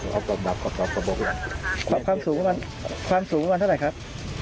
เอาขบบบขบความสูงให้มันฟังสูงให้มันเท่าไรครับ